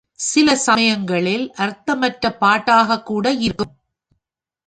சில சமயங்களில் அர்த்தமற்ற பாட்டாகக்கூட இருக்கும்.